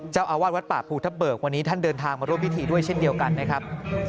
เจ้าอาวาสวัดป่าภูทะเบิกวันนี้ท่านเดินทางมาร่วมพิธีด้วยเช่นเดียวกันนะครับ